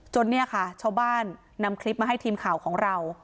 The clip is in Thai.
เนี่ยค่ะชาวบ้านนำคลิปมาให้ทีมข่าวของเรา